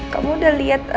kamu sudah lihat